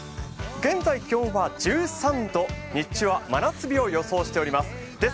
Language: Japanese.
現在、気温は１３度、日中は真夏日を予想しています。